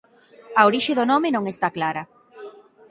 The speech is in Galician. A orixe do nome non está clara.